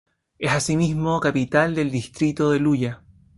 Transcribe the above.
Es asimismo capital del distrito de Luya.